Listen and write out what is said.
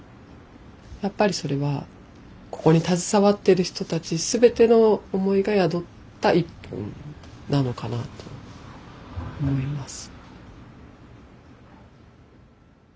やっぱりそれはここに携わってる人たち全ての思いが宿った１本なのかなと思います。